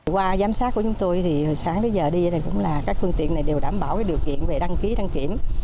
qua giám sát của chúng tôi hồi sáng đến giờ đi các phương tiện này đều đảm bảo điều kiện về đăng ký đăng kiểm